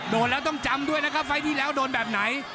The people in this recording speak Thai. โดนแล้วต้องจำด้วยนะครับไฟล์ที่แล้วโดนแบบไหน